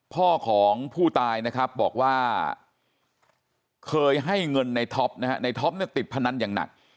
พ่อของผู้ตายนะครับบอกว่าเคยให้เงินในท็อปนะฮะในท็อปเนี่ยติดพนันอย่างหนัก